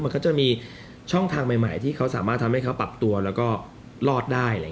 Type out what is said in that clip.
มันก็จะมีช่องทางใหม่ที่เขาสามารถทำให้เขาปรับตัวแล้วก็รอดได้